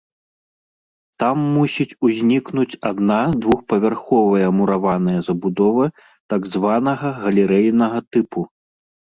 Там мусіць узнікнуць адна-двухпавярховая мураваная забудова так званага галерэйнага тыпу.